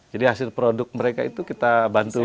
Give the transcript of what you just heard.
jadi hasil produk mereka itu kita bantu jual